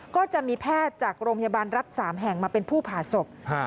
ก็จะมีแพทย์จากโรงพยาบาลรัฐสามแห่งมาเป็นผู้ผ่าศพ